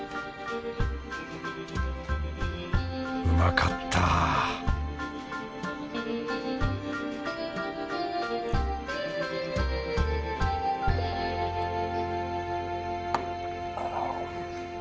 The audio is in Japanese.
うまかったあ。